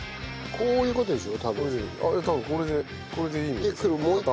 こういう事でしょ？